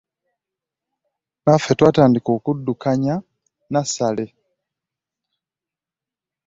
Naffe twatandika okuddukanya nnasale.